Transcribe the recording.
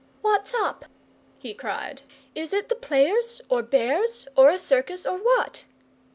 "What's up?" he cried. "Is it the players, or bears, or a circus, or what?"